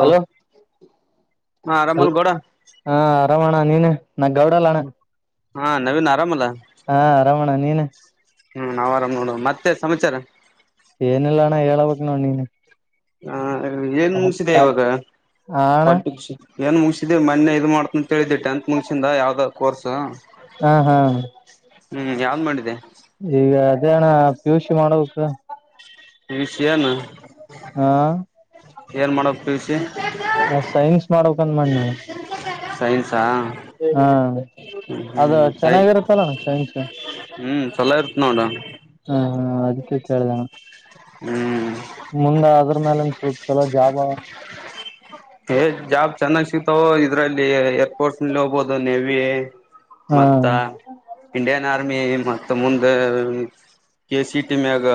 Hello ಹಾ ಹಲ್ ಆರಾಮಲ್ ಗೌಡ ಹಾ ಅರಾಮಣ್ಣ ನೀನು ನಾ ಗೌಡಾ ಅಲ್ಲ ಅಣ್ಣ. ಹಾ ನವೀನ್ ಆರಾಮ ಅಲ್ಲಾ. ಹಾ ಆರಾಮಣ್ಣ ನೀನ ಹ್ಮ್ ನಾವ್ ಆರಾಮ್ ನೋಡು ಮತ್ತೆ ಸಮಾಚಾರ. ಏನಿಲ್ಲ ಅಣ್ಣ ಹೇಳಬೇಕ ನೋಡ ನೀನೆ ಹಾ ಅ ಏನ್ ಮುಗಿಸಿದೆ ಇವಾಗ ಹ ಅಣ್ಣ ಕ್ವಾಲ್ಟಿಕ್ಸ್. ಏನ್ ಮುಗಸಿದೆ ಮನ್ನೆ ಇದು ಮಾಡ್ಕೊಂಡ. ಏ ಇದು ಟೆಂತ್ ಮುಂಗ್ಸಿಂದ ಯಾವ್ದ ಆದ. ಕೋರ್ಸ್ ಹಾ ಹಾ ಹ್ಮ್ ಯಾವ್ದ್ ಮಾಡಿದೆ. ಈಗ ಅದೇ ಅಣ್ಣಾ ಪಿಯುಸಿ ಮಾಡಬೇಕ್ ಪಿಯುಸಿ ಏನ್? ಹಾ ಮಾಡೋ ಪಿ ಯು ಸಿ ನಾ ಸೈನ್ಸ್ ಮಾಡಬೇಕು ಅಂತ ಮಾಡಿನ ಅಣ್ಣಾ. ಸೈನ್ಸ್ ಹಾ ಅದು ಹ್ಮ್ ಸ್ಕೈ ಚೆನ್ನಾಗಿರುತ್ತಲ್ಲಣ್ಣ ಸೈನ್ಸ್ ಹ್ಮ್ ಚಲೋ ಇರುತ್ತ ನೋಡ ಕೇಳ್ದೆ ಅಣ್ಣಾ ಹ್ಮ್ ಮುಂದಾದ್ರೂ ಅದರ ಮ್ಯಾಲ ಸ್ವಲ್ಪ ಚಲೋ ಜಾಬ್ ಏ ಜಾಬ್ ಚೆನ್ನಾಗ್ ಸಿಗ್ತಾವೋ ಇದ್ರಲ್ಲಿ ಫೋರ್ಸ್ನಲ್ಲಿ ಹೋಗಬಹುದು ನೇವಿ ಹಾ ಮತ್ತ ಇಂಡಿಯನ್ ಆರ್ಮಿ ಮ ಮತ್ತ ಮುಂದ ಕೆೇಸಿಡಿ ಮ್ಯಾಗ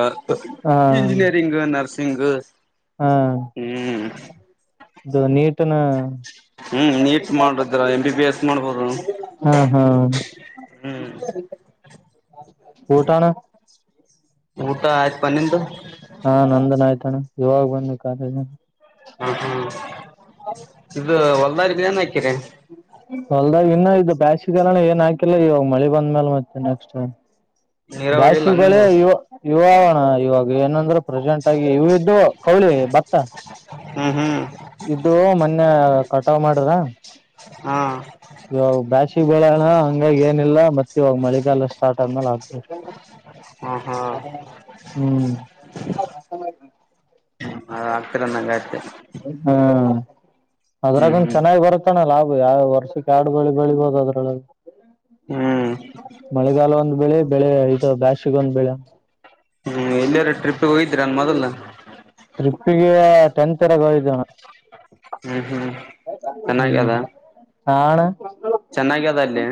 ಹಾ ಇಂಜಿನಿಯರಿಂಗ್ ನರ್ಸಿಂಗ್ ನರ್ಸಿಂಗ್ ಹಾ ಹ್ಮ್ ಇದು ನೀಟನ ಹ್ಮ್ ನೀಟ್ ಮಾಡುದ್ರ ಎಂ ಬಿ ಬಿ ಎಸ್ ಮಾಡ್ಬೋದು ಹಾ ಹಾ ಹ್ಮ್ ಊಟಾ ಅಣ್ಣಾ ಊಟ ಐತ. ಹಾ ನಂದುನು ಆಯ್ತ ಅಣ್ಣಾ. ಇವಾಗ್ ಬಂದೇ ಕಾಲೇಜ ಇಂದ. ಹ್ಮ ಹ್ಮ್ ಇದು ಹೊಲ್ ಬಾರಿಬಿ ಏನ್ ಹಾಕಿ ಹೊಲ್ದ ಇನ್ನ ಇದ ಬ್ಯಾಶ ಗಿ ಅಣ್ಣನ ಏನ್ ಹಾಕಿಲ್ಲ ಇವಾಗ ಮಳಿ ಬಂದ್ಮೇಲೆ ಮತ್ತೆ ನೆಕ್ಸ್ಟ್ ನೀರಾವರಿ ಇಲ್ಲ ಬ್ಯಾಸಗಿ ಬೆಳೆ ನಿಮ್ದು ಯುವ ಯುವ ಅವಾ ಅಣ್ಣಾ ಇವಾಗ ಏನಂದ್ರ ಪ್ರೆಸೆಂಟ್ ಆಗಿ ಇವು ಇಡ್ಡುವ ಕೌಳಿ ಭತ್ತ ಉಹು ಇದುವೂ ಮೊನ್ನೆ ಕಟಾವ್ ಮಾಡದ ಹಾ ಇವಾಗ ಬ್ಯಾಸಗಿ ಬಿಳೋಣಾ ಹಂಗಾಗಿ ಏನ್ ಏನಿಲ್ಲಾ ಮತ್ತೆ ಇವಾಗ ಮಳೆಗಾಲ ಸ್ಟಾರ್ಟ್ ಆದ್ಮೇಲೆ ಹಾಕ್ತೀವಿ ಹಾ ಹಾ ಹ್ಮ್ ಅ ಆಗ್ತಿರ್ ಅನ್ನಂಗ್ ಆಯ್ತು. ಅದ್ರಾಗೊಂದ್ ಹ್ಮ್ ಚೆನ್ನಾಗ್ ಬರುತ್ತಣ ಲ ಯಾವ್ ವರ್ಷಕ್ ಕಾಡ್ ಗೊಳಿ ಗೊಳಿಗ್ ಹೋಗೋದ್ರೊಳಗ್ ಹ್ಮ್ ಹ್ಮ್ ಮಳೆಗಾಲ ಒಂದ್ ಬೆಳೆ ಬೆಳೆ ಐದು ಬಾಶಿಗ್ ಒಂದ್ ಬೆಳೆ. ಇರಾನ್ ಮೊದಲ. ಟ್ರೀಪ್ಪಿಗೆ ಟೆಂತ್ [unintelligible] ಹೋಗಿದ್ವಿ ಅಣ. ಊ ಹ್ಮ್ ಹ್ಮ್ ಚೆನ್ನಾಗ್ಯದ ಹಾ ಅಣ ಚೆನ್ನಾಗ್ಯದ ಅಲ್ಲಿ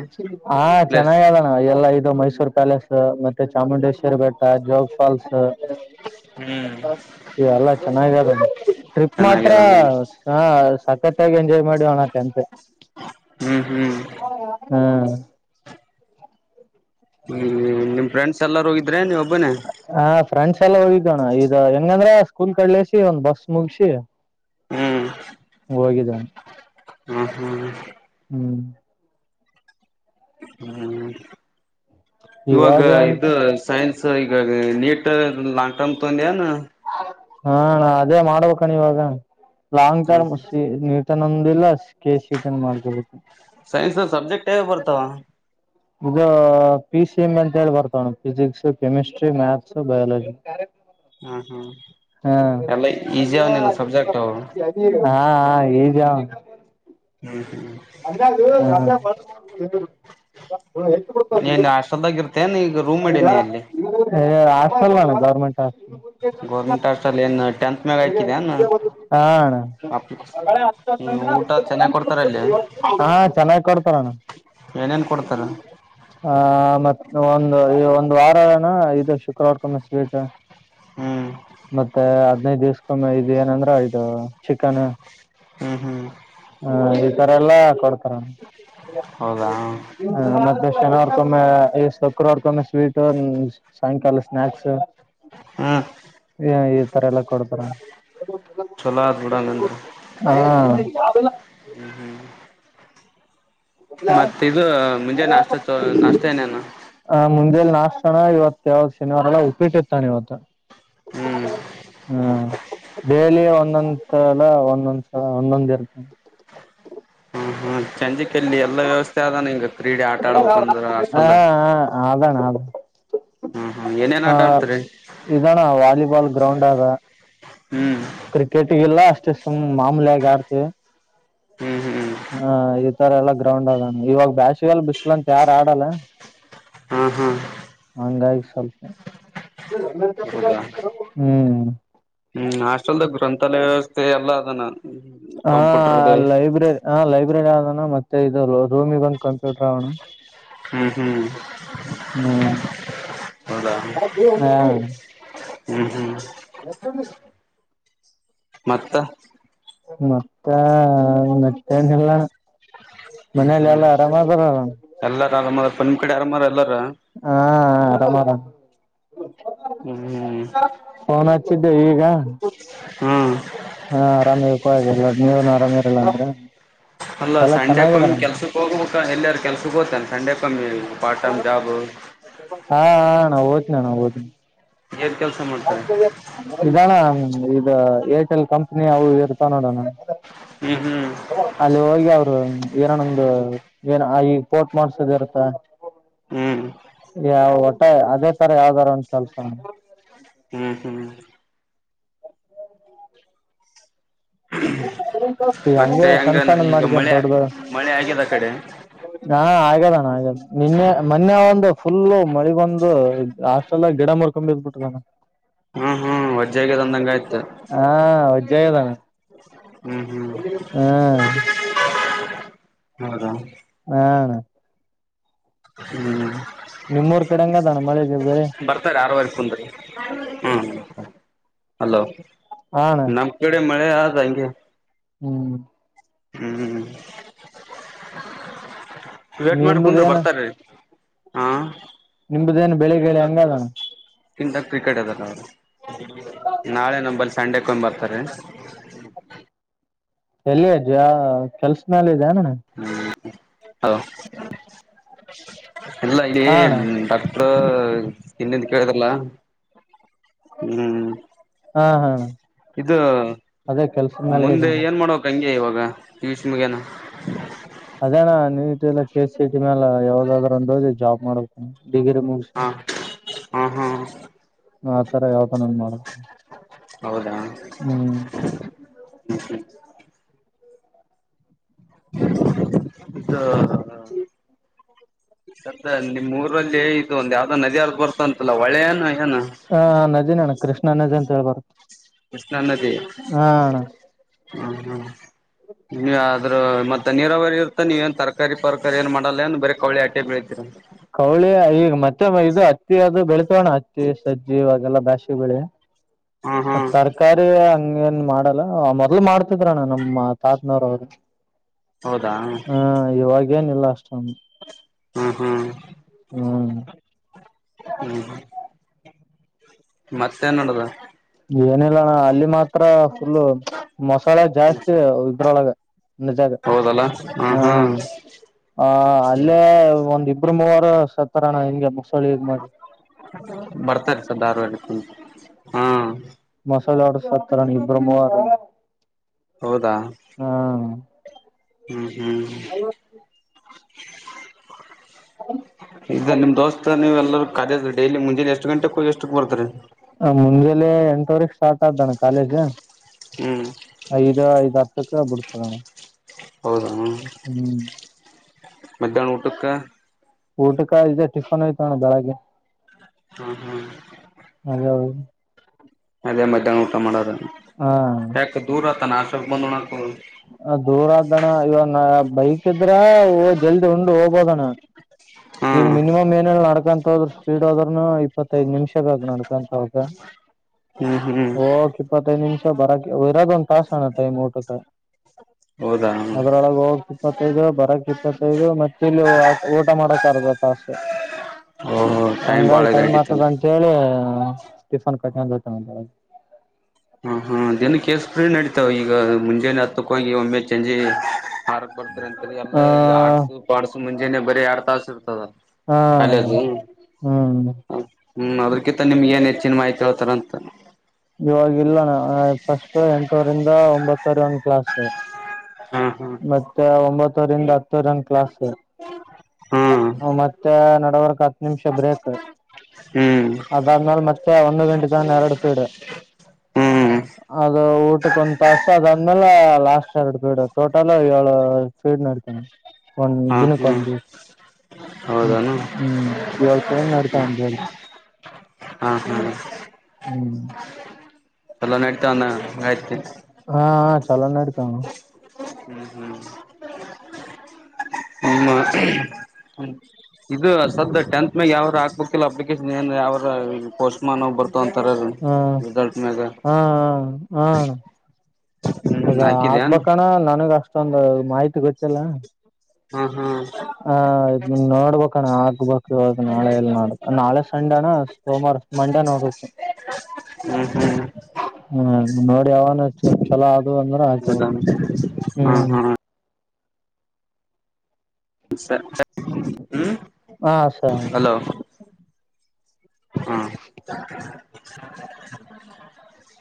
ಹಾ ಪ್ಲೇಸ್ ಚೆನ್ನಾಗದಣ ಎಲ್ಲ ಈ ಮೈಸೂರು ಪ್ಯಾಲೇಸ್ ಮತ್ತೆ ಚಾಮುಂಡೇಶ್ವರಿ ಬೆಟ್ಟ ಜೋಗ್ ಫಾಲ್ಸ್ ಹ್ಮ್ ಏಲ್ಲ ಚೆನ್ನಾಗ್ಯದ ಟ್ರಿಪ್ ಮಾತ್ರ ಚೆನ್ನಾಗ್ಯದ ಅಂದಂಗ ಸ ಕ್ಕತ್ತಾಗ್ ಎಂಜಾಯ್ ಮಡಿವನ ಆತ್ಯಂತೆ ಹ್ಮ್ ಹ್ಮ್ [unintelligible] ಹ್ಮ್ ಹ್ಮ್ ನಿಮ್ ಫ್ರೆಂಡ್ಸ್ ಎಲ್ಲರ ಹೋಗಿದ್ರೆ ನೀವ್ ಒಬ್ಬನೇ ಹಾ ಫ್ರೆಂಡ್ಸ್ ಚಲ ಹೋಗಿದ್ವಣ ಇದು ಹೆಂಗ್ ಅಂದ್ರೆ ಸ್ಕೂಲ್ ಕಡ್ಲಸಿ ಒಂದ್ ಬಸ್ ಮುಗ್ಸಿ ಹ್ಮ್ ಹೋಗಿದ್ವಿಅನ ಹ್ಮ್ ಹ್ಮ್ ಹ್ಮ್ ಹ್ಮ್ ಇವಾಗ ಇದು ಸೈನ್ಸ್ ಸ ಈಗ ನೀಟ್ ಲಾಂಗ್ ಟರ್ಮ್ ತೊಗಂದಿ ಏನು ಹಾ ಅಣ ಅದೇ ಮಾಡ್ಬೇಕಣ ಇವಾಗ ಲಾಂಗ್ ಹ್ಮ್ ಟರ್್ ೊಂದಿಲ್ಲ ಕೆಸಿನ್ ಮಾಡ್ಕೊು ಸೈನ್ಸ್ ನ ಸಬ್ಜೆಕ್ಟ್ ಬರ್ತಾವ ಇದು ಪಿ ಸಿ ಎಂ ಅಂತ ಹೇಳಿ ಬರ್ತಾವಣ ಫಿಸಿಿಕ್ಸ್ ಕೆಮಿಸ್ಟ್ರಿ ಮ್ಯಾಥ್ಸ್ ಬಯಾಲಜಿ ಹ್ಮ ಹ್ಮ್ ಹ ಎಲ್ಲ ಈಸಿ ಅವ ನೀನು ಸಬ್ಜೆಕ್ಟ್ ಅವ ಹಾ ಹಾ ಈಜಾವ ಹ್ಮ್ ಹ್ಮ್ ಬಬ ಹೆ ಕೊಡ್ತಗಲ್ ನೀನ್ ಹಾಸ್ಟೆಲ್ದಾಗ ಇರ್ತೇನ್ ಈಗ ರೂಮ್ ಮಾಡೀನಿ ಅಲ್ಲಿ ಮಂಟಾ ಗೋರ್ಮೆಂಟ್ ಹಸ್ಟಲ್ಲಿ ಏನ್ ಟೆಂತ್ ಮ್ಯಾಗ ಹಯಕಿದನ್ಪ್ ಹಾ ಅಣ್ಣ ಊಟ ಚೆನ್ನಾಗ್ ಕೊಡ್ತಾರ ಅಲ್ಲಿ ಹಾ ಚೆನ್ನಾಗ್ ಕೊಡ್ತಾರಣ ಏನೇನ್ ಕೊಡ್ತಾರ ಆ ಮತ್ ಒಂದು ಒಂದಂದು ವಾರನ ಇದು ಶುಕ್ರವಾರಕೊಮ್ಮೆ ಸ್ವೀಟ್ ಹ್ಮ್ ಮತ್ತೆ ಅದ ಹದ್ಿನೈದು ದಿವ್ಸ್ಕೊಮ್ಮ ಇದು ಏನಂದ್ರ ಇದು ಚಿಕನ್ ಹ್ಮ್ ಹ್ಮ್ ಹಾ ಎಲ್ಲಾ ಕೊಡ್ತಾರೆ ಹೌದಾ ಕೆನವರ್ಕೊಮ್ಮ ಶುಕ್ರವರ್ ಕೊಮ್ಮ ಸ್ವೀಟ್ ಸಾಯಂಕಾಲ ಸ್ನಾಕ್ಸ್ ಹಾ ಈ ತರ ಎಲ್ಲ ಕೊಡ್ತಾರ ಚಲೋ ಆದ್ ಬಿಡಂಗಂದ್ರ ಹ್ಮ್ಮ ಮತ್ತ ಇದು ಮುಂಜೆ ನಾಷ್ಟ ನಾಷ್ಟತ ಏನೇನು ಮುಂದೆಲಿ ನಾಶಣ ಇವತ್ತು ಯಾವ ಶನಿವಾರಲ್ಲ ಉಪ್ಪಿಟ್ಟು ತಾನೇ ಇವತ್ತು ಹ್ಮ್ ಹ್ಮ ಡೇಲಿ ಒಂದೊಂದಲ್ಲ ಒಂದೊಂದ್ಸ ಒಂದೊಂದ ಇರ್ತ ಹಾ ಹಾ ಚಜ ಲ್ಲಿ ಎಲ್ಲಾ ವ್ಯವಸ್ಥೆ ಅದಾನ ಈಂಗಗ ಕ್ರೀಡೆ ಆಟ ಆಡ್ಬೇಕಂದ್ರ ಅಷ್ಟಲ್ಲ ಹಾ ಹ ಆಟ ಆಡ್ತರಿ ಇದಾನ ವಾಲಿಬಾಲ್ ಗ್ರೌಂಡ್ ಹಾಗ ಹ ಕ್ರಿಕೆಟ್ಗೆಲ್ಲಷ್ಟ ಷ್ಟ್ ಮಾಮೂಲಯ ಯಾರ್ದ ಹ್ಮ್ ಹ್ಮ್ ಹಾ ಇ ಇಕಡೆಲ್ಲ ಗ್ರೌಂಡ್ ಅದಣ ಇವಾಗ ಬ್ಯಾಸಿಗೆಲ್ಲ ಬಿಸಲಂತ ಯಾರ್ ಆಡಲ್ಲ. ಹಾ ಹಾ ಹಂಗಾಗಿ ಸ್ವಲ್ಪ್ ಹೌದಾ [unintelligible] ಹ್ಮ್ ಹ್ಮ್ ಹಾಸ್ಟೆಲ್ದ ಗ್ರಂಥಾಲಯ ವ್ಯವಸ್ಥೆ ಎಲ್ಲ ಅದನ ಹ ಕಂಪ್ಯೂಟರ್ದು ಲೈಬ್ರರಿ ಆ ಲೈಬ್ರರಿ ಆದಣ ಮತ್ತೆ ಇದು ರೂಮಿಗೆ ಒಂದು ಕಂಪ್ಯೂಟರ್ ಅವಣ ಹ್ಮ್ ಹ್ಮ್ ಹ್ಮ್ [unintelligible] ಹೌದ ಹ [unintelligible] ಹ್ಮ ಹ್ಮ್ [unintelligible] ಮತ್ತ ಮತ್ತ ಆ ಏನ್ ಇಲ್ಲ [unintelligible] ಮನೇಲಿ ಹ್ಮ್ ಎಲ್ಲ ಆರಾಮ ಅದರಲ್ಲಣ ಎಲ್ಲಾರ ಆರಾಮಾರಪ್ಪ ನಿಮ್ ಕಡೆ ಆರಾಮಾರ ಎಲ್ಲಾರ ಹಾ ಆರಾಮರ [unintelligible] ಹ್ಮ್ ಚಿದ್ದೆ ಈಗ [unintelligible] ಹ್ಮ್ ಹಾ ಆರಾಮವಿಪ ಎಲ್ಲ ನೀವನು ಆರಾಮಿರಲ್ಲ ಅಂದ್ರ ಅಲ್ಲ [unintelligible] ಎಲ್ಲಾ ಸಂಡೆಕೊಮ್ಮಿ ಚೆನ್ನಾಗಿದಾರಂತ ಕೆಲ್ಸಕ್ ಹೋಗ್ಬೇಕ ಎಲ್ಲಾರ ಕೆಲ್ಸಕ್ ಹೋಗ್ತಾನ ಸಂಡೆಕೊಮ್ಮಿ ಪಾರ್ಟ್ ಟೈಮ್ [unintelligible] ಜಾಬ್ ಹ ಅಣ ಹೊತ್ನಾಣ ಹೊತ್ನಿ ಏನ್ ಕೆಲ್ಸ ಮಾಡ್ತಾರೆ [unintelligible] ಇದಣ ಇದ್ ಅ ಏರ್ಟೆಲ್ ಕಂಪ್ನಿ ಅವವು ಇರ್ತವ್ ನೋಡೋಣ [unintelligible] ಹ್ಮ್ ಹ್ಮ್ ಅಲ್ಲಿ ಹೋಗಿ ಅವ್ ಏನನೊಂದು ಏನಾ ಈ ಪೋರ್ಟ್ ಮಾಡಸದ ಇರ್ತ ಹ್ಮ್ [unintelligible] ಯಾವ ವಟ್ಟ ಅದೇ ತರ ಯಾವ್ದಾರ ಒಂದ್ ಕೆಲ್ಸ ಹ್ಮ್ [unintelligible] ಹಂಗೆ ಮತ್ತೆ ಹೆಂಗ್ ಸಣ್ಣ ಸಣ್ಣದ್ ಈಗ ಮಾಡ್ಕ ಮಳೆ ದೊಡ್ಡ್ದ ಮಳೆ ಆಗ್ಯದ ಆಕಡೆ ಆಗದಣ ಆಗ್ಯದ ನಿನ್ನೆ ಮನ್ನೇ ಒಂದು ಫುಲ್ಲು ಮಳಿ ಬಂದು ಹಸ್ಟಾಲ್ದಾಗ್ ಗಿಡ ಮುರ್ಕೊಂಡ್ ಬಿದ್ದ್ ಬಿಟ್ಟದಣ ಹ್ಮ್ ಹ್ಮ್ ವಜ್ಜೆ ಆಗ್ಯದ ಅಂದಂಗ ಆಯ್ತು [unintelligible] ಹಾ ವಜ್ಜ್ ಆಗ್ಯದಣ [unintelligible] ಹ್ಮ್ ಹ್ಮ್ [unintelligible] ಹೌದ ಹ ಅಣ ಹ್ಮ್ ನಿಮ್ಮೂರ್ ಕಡೆ ಹೆಂಗ ಅದಾ ಅಣ್ಣ ಮಳೆ ಬೆಳೆ? ಬಂದ ರೀ ಹ್ಮ ಹಲೋ ಹಣ ನಮ್ ಕಡೆ ಮ ಯ ಆಗೆ ಹ್ಮ್ ಹ್ಮ್ ವೇಟ್ ಮಾಡ್ರಿ ಕುಂದ್ರರೀ ನಿಂಬುದೇನ ಬರ್ತಾರೀ ಹಾ ನಿಮ್ಮ್ದೇನು ಬೆಳಿಗ್ಳಿ ಹಂಗದಣ ಕಿಂತ ಕ್ರಿಕೆಟ್ ಅದಲ್ಲ ಅವರು ನಾಳೆ ನಂಬಲ್, ಸಂಡೆ ಕೊಮ್ಮೆ ಬರ್ತಾರೆೀ? ಎಲ್ಲಿ ಅಜ್ಜ ಕೆಲ್ಸ ಮಾಲ ಯದ್ಣ ಹೌ ಇಲ್ಲ ಇಲ್ಲಿ ಹಾ ಅಣ್ಣ ಡಾಕ್ಟರ್ ಇನ್ನಂದು ಕೇಳ್ರಲ್ಲ ಹ್ಮ್ ಹಾ ಹಾ ಇದು ಅದೇ ಕೆಲ್ಸದ ಮೇಲೆ ಇದೆ ಮುಂದೆ ಅಣ್ಣ ಏನ್ ಮಾಡಕ್ ಹಂಗೆ ಇವಾಗ [inaudible] ಪಿಯುಸಿ ಮುಗೆನಾ ಅದ ಅಣ್ಣಾ ನೀ ಲ್ಲ ಕೆ ಸಿಟಿ ಮೇಾಲ ಯಾವಾಗಾದ್ರ ಒಂದಿ ಜಾಬ್ ಮಾಡ್ಬೇಕ ಡಿಗರಿ ಮುಗಸ, ಹಾ ಹಾ ಹಾ ಆತರ ಯಾವತನ ಮಾಡ ಹೌದಾ ಹ್ಮ್ ಇದು ಹ್ಮ್ ಸುದ್ದ ನಿಮ್ಮ ಊರಲ್ಲಿ ಇದು ಒಂದು ಯಾವ್ದೋ ನದಿ ಹರದ ಬರ್ತ ಅಂತಲ್ಲ ಹೊಳೆ ಏನ ಏನು ಹಾ ನದಿನ್ ಅಣ್ಣಾ ಕೃಷ್ಣ ನದಿ ಅಂತ ಳ ಬರ [unintelligible] ಕೃಷ್ಣಾ ನದಿ ಹ್ಮ್ ಹ್ಮ್ ನೀವ ಆದ್ರೂ ಮತ್ತೆ ನೀರಾವರಿ ಇರ್ತ ನೀವ ಏನ್ ತರಕಾರಿ ಪರಕಾರಿ ಏನ್ ಮಾಡ ಕೌಳಿ ಈಗ ಮತ್ತೆ ಇದುತ್ತು ಬೆಳೆ ಓಣಜಿ ಸಜೆ ಇವಾಗಲ್ಲ ಬಾಶಿ ಬೆಳೆ ಹ್ಮ್ ಹ್ಮ್ ತರಕಾರಾರಿ ಹಂಗ ಏನ್ ಮಾಡಲ್ಲ ಮೊದ್ಲು ಮಾಡ್ತಿದ್ರಣ ನಮ್ಮ ತಾತ್ನವ್ರ ಅವರು ಹೌದಾ ಏನಿಲ್ಲ ಹ ಹ್ಮ್ ಹ್ಮ್ ಹ್ಮ್ ಮತ್ತ ನ್ ನೋಡದ ಏನಿಲ್ಲಣ ಅಲ್ಲಿ ಮಾತ್ರ ಫುಲ್ಲ ಮಸಾಲೆ ಜಾಸ್ತಿ ಇದ್ರೊಳಗೆ ನಜಾಗ ಹೌದಲ್ಲ ಹ್ಮ್ ಹಾ ಹ್ಮ್ ಆ ಅಲ್ಲೇ ಒಂದ ಕಂಬ ವಾರ ಸತ್ತರ ಹೆಂ ಬರ್ತಾರೆ ಸ ದಾರಲ್ಲಿ ಹ್ಮ್ ಮಸಾಲ ಆಡ್ಸತರ ನೀ ಇಬ್ರ್ಮರು ಹೌದಾ ಹ್ಮ ಹ್ಮ್ ಈಗ ನಿಮ್ ದೋಸ್ತ ನೀವ್ ಎಲ್ಲೂ ಕಾಲೇಜ ಡೈಲಿ ಮುಂಜಾನೆ ಎಷ್ಟು ಎಷ್ಟು ಗಂಟೆಕ್ಕೆ ಹೋಗಿ ಎಷ್ಟಕ್ಕೆ ಬರ್ತೀರಿ ಮುಂದೆಲೆ ಎಂಟವರೆಗೆ ಸ್ಟಾರ್ಟ್ ಆದ್ದಣ ಕಾಲೇಜ್ ಹ್ಮ್ ಐದ ಐದು ಹತ್ತು ಕ್ಕ ಬಿಡ್ತಲಣ ಹೌದು ಹ್ಮ್ ಮಧ್ಯಾಹ್ನ ಊಟಕ್ಕ ಊಟಕ ಇದೆ ಟಿಫನ್ ಐ್ತ ನಣ ಬೆಳಗ್ಗೆ ಹ ಹ್ಮ ಅದೇ ಅದೇ ಮಧ್ಯಾಹ್ನ ಊಟ ಮಾಡೋದು ಹಾ ನಾಶಕ ಬಂದಣಕ ದೂರ ಆದಣ ಇವ ಬೈಕ್ ಇದ್ರ ಜಲ್ದಿ ಉಂಡು ಹೋಗ್ಬೋದಣ್ಣ ಈಗ ಹ್ಮ್ ಮಿನಿಮ್ ಏನ ನಡ್ಕಂತ ಹದ್ರರು ಸ್ಪೀಡ್ ಆದದ್ರರುನು ಇಪ್ಪತ್ತೈದ್ ನಿಮಿಷ ಬಾಗ ನಡಡ್ಕಂತ ಹ ಹ್ಮ್ ಹ್ಮ್ ಹೋಗಕ್ಕೆ ಇಪ್ಪ ತ್ತೃದು ನಿಮಿಷ ಬರಕ್ಕೆ ಇರೋದ ಒಂದಂದು ತಾಸ ಅಣ ಟೈಮ್ ಊಟಕ ಹೌದಾ ಅದ್ರೊಳಗೆ ಹೋಗ್ ಸಿಪ ಇಪ್ಪತ್ತೈದು ಬರಕ್ ಇಪ್ಪತ್ತೈದು ಮತ್ತ ಇಲ್ಲಿ ಊಟ ಮಾಡಕ್ರ್ಗ ತಾಸು ಓಹೋ ಬಾಳ ಹಂಗಾಗಿ ಟೈಮ್ ಆಗ್ತದ ಇದಾಗಿತ್ತಂದ್ರ ಅಂತ ಹೇಳಿ ಫನ್ ಕಟ್ಟ ಚ ಹ ಹಾ ದಿನಕ್ಕೆಸ್ ಫ್ರೀ ನಡತಾವ ಈಗ ಮುಂಜಾನೆ ಹತ್ತಕ್ಕ ಹೋಗಿ ಒಮ್ಮೆ ಚಂಜಿ ಮಾರ್ ಬಡ್ತಾರೆ ಅಂತರಿ ಆ ಎಲ್ಲಾ ಈ ಆಡ್ಸ್ ಪಸ್ ಮುಂಜಾನನೆ ಬರೀ ಆರ ತಾಸ ಇರ್ತದ ಹಾ ಕಾಲೇಜು ಹ್ಮ್ ಹ್ಮ್ ಅದ್ರಕಿಂತ ನಿಮ್ ಏನ್ ಹೆಚ್ಚಿನ ಮಾಹಿತಿ ಹೇಳ್ತಾರ ಅಂತ ಇವವಾಗಿಲ್ಲ ನ ಫಸ್ಟ್ ಎಂಟೂರಿಂದ ಒಂಬತ್ತವರೆ ಒಂದ್ ಕ್ಲಾಸ್ ಹಾ ಹಾ ಹಾ ಮತ್ತೆ ಒಂಬತ್ತೂರಿಂದ ಹತ್ತುರನ್ ಕ್ಲಾಸ್ ಹ್ಮ್ ಮತ್ತೆ ನಡವರ್ಕ್ ಹತ್ತು ನಿಮಿಷ ಬ್ರೇಕ್ ಹ್ಮ್ ಅದಾದ್ಮೇಾಲ ಮತ್ತೆ ಒಂದು ಗಂಟೆಿದ ಎರಡು ಫೀಡ್ ಹ್ಮ್ ಅದು ಊಟಕ್ಕ ಒಂದ್ ತಾಸ ಅದಂದ ಲಾಸ್ ಆರ್ ಬಡ ತೋಟಾಲ ಇವಳ ಸೇಡ್ ನಡತಾವ ಒಂದ ಹಾ ದಿನಕ್ಕೆ ಹ್ಮ್ ಒಂದು ಹೌದಾನ ಹ್ಮ್ ಸೇಡ್ ನಡತಾವ ಹಾ ಹಾ ಹ್ಮ್ ಎಲ್ಲ ನಡ್ತಾನ ಹಾ ಚಲ ನ ಅಡ್ತಾವು ಹ್ಮ್ ಹ್ಮ್ ಹ್ಮ ಇದು ಸದ ಟೆಂತ್ ಮ್ಯಾಗ ಯಾವ್ರ ಹಾಕ್ಬೇಕಿಲ್ಲ ಅಪ್ಲಿಕೇಶನ್ ಏನ್ ಯಾವ್ರ ಪೋಸ್ಟ್ ಮನ್ ಬರ್ ೊಂತರ ಹ್ಮ್ ರರಿಿಸಲ್ಟ್ ಮೇ ಹಾ ಹೌದಾ ಆಗ್ಬೇಕಣ ನನಗ ಅಷ್ಟ ಮಷ್ಟೊಂದು ಮಾಹಿತಿ ಗೊತ್ತಲ್ಲ ಹಾ ಹಾ ಹ ನೋಡ್ಬೇಕಣ ಆಗ್ಬೇಕು ಇವಾಗ ನಾಳೆ ಎಲ್ ನೋಡ್ ನಾಳೆ ಸಣ್ಣ ಅಣ್ಣ ಸೋಮವಾರ ಮಂಡೆ ನೋಡ್ು ಹ್ಮ್ ಹ್ಮ್ ಹ್ಮ ನೋಡಿ ಯಾವವಲ್ ಚಛಲೋ ಅ ಅಂದ್ರೆ ಹೌದಾ ಆಗ್ಬೇಕಣ ಹಾ ಹ್ಮ್ ಹಾ ಸ ಹಾ ಸರಿ [inaudible] ಹ್ಮ [unintelligible]